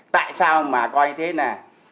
tại sao mà coi như thế nè